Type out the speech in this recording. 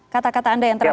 kata kata anda yang terakhir